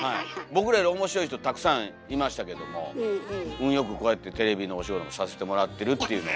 僕らより面白い人たくさんいましたけども運良くこうやってテレビのお仕事もさせてもらってるっていうのは。